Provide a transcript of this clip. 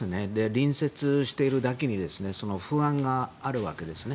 隣接しているだけに不安があるわけですね。